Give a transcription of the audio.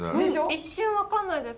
一瞬分かんないです。